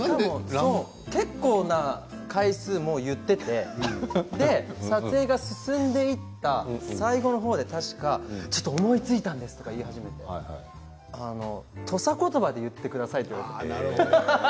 結構な回数をいっていて撮影が進んでいった最後の方で確かちょっと思いついたんですが土佐言葉で言ってくださいって。